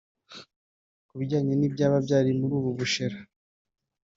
Ku bijyanye n’ibyaba byari muri ubu bushera